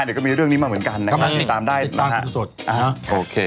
เดี๋ยวก็มีเรื่องนี้มาเหมือนกันติดตามได้นะฮะติดตามสุดสดอ่าโอเค